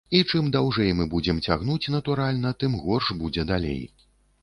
І чым даўжэй мы будзем цягнуць, натуральна, тым горш будзе далей.